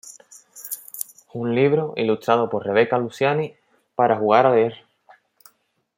Un libro, ilustrado por Rebeca Luciani, para jugar a leer.